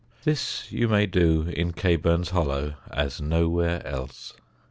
This you may do in Caburn's hollow as nowhere else.